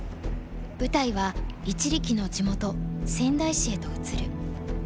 舞台は一力の地元仙台市へと移る。